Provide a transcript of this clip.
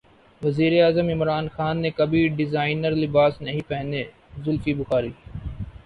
وزیراعظم عمران خان نے کبھی ڈیزائنر لباس نہیں پہنے زلفی بخاری